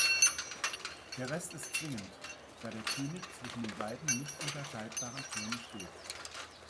Der Rest ist zwingend, da der König zwischen den beiden nicht unterscheidbaren Türmen steht.